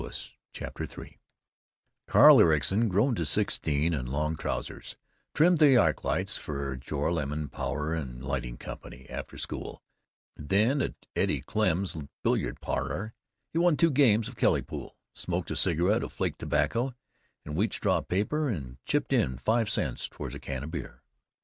CHAPTER III arl Ericson, grown to sixteen and long trousers, trimmed the arc lights for the Joralemon Power and Lighting Company, after school; then at Eddie Klemm's billiard parlor he won two games of Kelly pool, smoked a cigarette of flake tobacco and wheat straw paper, and "chipped in" five cents toward a can of beer.